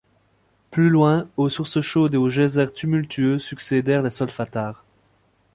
Plus loin, aux sources chaudes et aux geysers tumultueux succédèrent les solfatares.